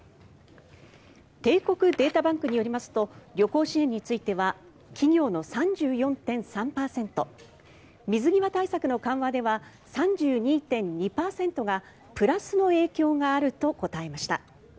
帝国データバンクによりますと旅行支援については企業の３４．３％水際対策の緩和では３２．２％がプラスの影響があると答えました。